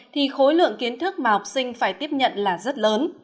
thì khối lượng kiến thức mà học sinh phải tiếp nhận là rất lớn